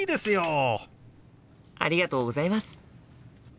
ありがとうございます！